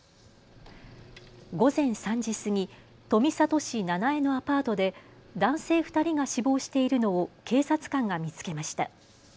午前３時過ぎ、富里市七栄のアパートで男性２人が死亡しているのを警察官が見つけました。